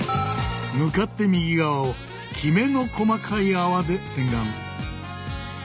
向かって右側をきめの細かい泡で洗顔。